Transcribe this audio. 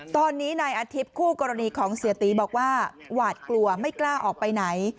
ตอนนี้นายอาทิตย์คู่กรณีของเสียตีบอกว่าหวาดกลัวไม่กล้าออกไปไหน